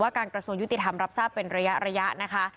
การกระทรวงยุติธรรมรับทราบเป็นระยะนะคะ